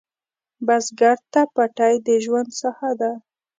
بزګر ته پټی د ژوند ساحه ده